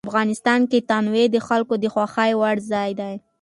افغانستان کې تنوع د خلکو د خوښې وړ ځای دی.